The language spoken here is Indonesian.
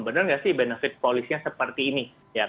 benar nggak sih benefit polisnya seperti ini